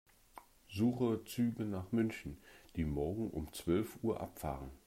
Suche Züge nach München, die morgen um zwölf Uhr abfahren.